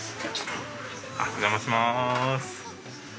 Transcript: お邪魔します。